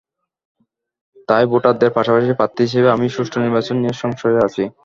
তাই ভোটারদের পাশাপাশি প্রার্থী হিসেবে আমিও সুষ্ঠু নির্বাচন নিয়ে সংশয়ে আছি।